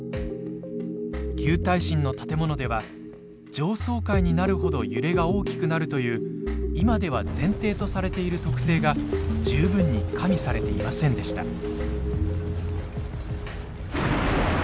旧耐震の建物では上層階になるほど揺れが大きくなるという今では前提とされている特性が十分に加味されていませんでした。